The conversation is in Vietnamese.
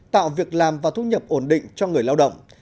tạo việc làm và thu nhập ổn định cho người lao động